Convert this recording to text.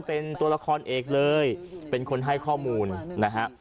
เป็นตัวละครเอกเลยเป็นคนให้ข้อมูลนะฮะ